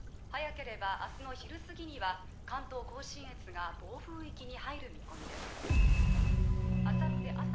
早ければ明日の昼過ぎには関東甲信越が暴風域に入る見込みです